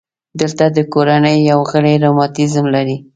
دلته د کورنۍ یو غړی رماتیزم لري.